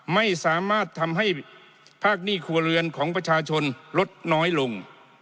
ไม่สามารถทำให้ภาคหนี้ครัวเรือนของประชาชนลดน้อยลง